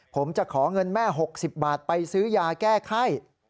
ผมจะขอเงินแม่๖๐บาทไปซื้อยาแก้ไข้